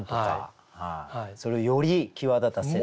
それをより際立たせる。